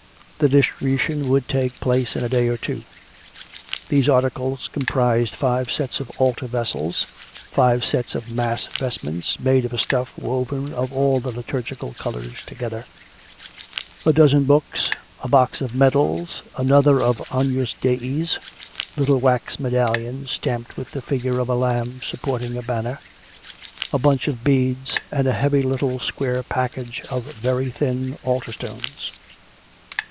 The distribution would take place in a day or two. These articles comprised five sets of altar vessels, five sets of mass vestments, made of a stuff woven of all the liturgical colours together, a dozen books, a box of medals, another of Agnus Deis — little wax medallions stamped with the figure of a Lamb supporting a banner — a bunch of beads, and a heavy little square package of very thin altar srtones.